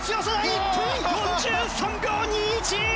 １分４３秒２１！